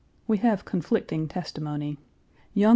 We have conflicting testimony. Young 1.